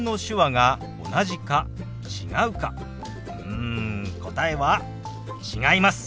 うん答えは違います。